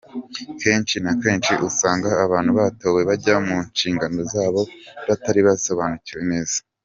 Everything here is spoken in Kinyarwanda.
Kenshi na kenshi usanga abantu batowe bajya mu nshingano zabo batari bazisobanukiwe neza.